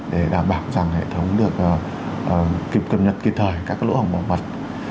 để đảm bảo rằng hệ thống được kịp cập nhật kịp thời các lỗ hỏng bảo mật